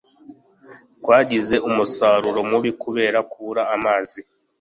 Twagize umusaruro mubi kubera kubura amazi.